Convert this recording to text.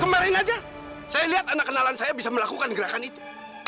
kemarin aja saya lihat anak kenalan saya bisa melakukan gerakan itu